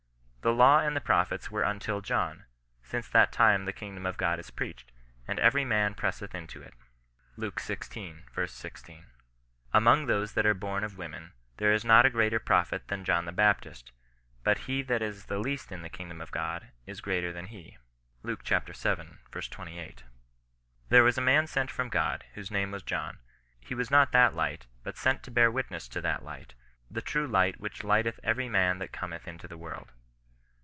The law and the prophets were until John : since that time the kingdom of God is preached, and every man presseth into it." lb. xvi. 16. " Among those that are born of women, there is not a greater prophet than John the Baptist : but he that is least in the kingdom of God is greater than he." lb. vii. 28. " There was a man sent from God, whose name was John. He was not that Light, but sent to bear witness of that Light, the true Light which lighteth every man that cometh into the world."